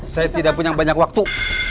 saya tidak punya banyak waktu